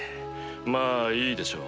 まぁいいでしょう